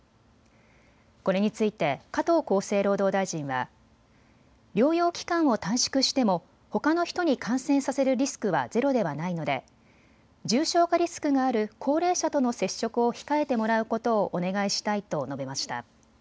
これについて加藤厚生労働大臣は療養期間を短縮してもほかの人に感染させるリスクはゼロではないので重症化リスクがある高齢者との接触を控えてもらうことをお願いしたいと述べました。